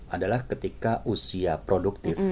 adalah ketika usia produktif